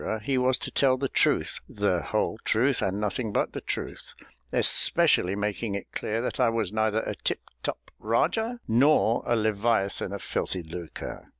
he was to tell the truth, the whole truth, and nothing but the truth, especially making it clear that I was neither a tip top Rajah, nor a Leviathan of filthy lucre.